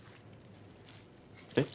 えっ？